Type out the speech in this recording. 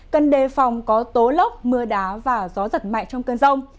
cần đề phòng có tố lốc mưa đá và gió giật mạnh trong cơn rông